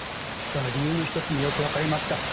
さあ理由の１つ目よく分かりました。